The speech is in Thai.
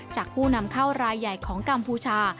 ผู้นำเข้ารายใหญ่ของกัมพูชา